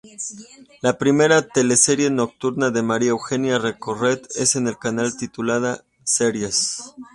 La primera teleserie nocturna de María Eugenia Rencoret en el canal, titulada "Sres.